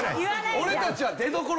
俺たち出どころ